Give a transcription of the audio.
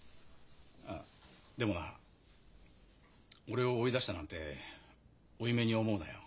あっでもな俺を追い出したなんて負い目に思うなよ。